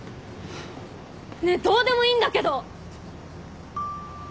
ねえどうでもいいんだけど！